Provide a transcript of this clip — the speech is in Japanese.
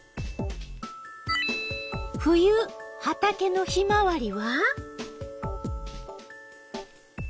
冬畑のヒマワリは？